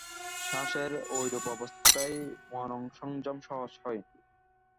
শ্বাসের এইরূপ অবস্থায় মনঃসংযম সহজ হয়।